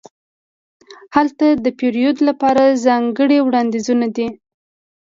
هلته د پیرود لپاره ځانګړې وړاندیزونه دي.